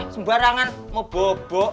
sembarangan mau bobo